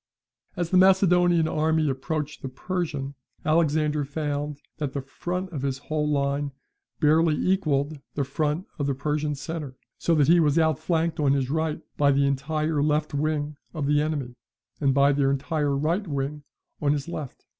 As the Macedonian army approached the Persian, Alexander found that the front of his whole line barely equalled the front of the Persian centre, so that he was outflanked on his right by the entire left; wing of the enemy, and by their entire right wing on his left.